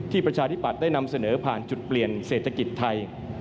ประชาธิปัตย์ได้นำเสนอผ่านจุดเปลี่ยนเศรษฐกิจไทย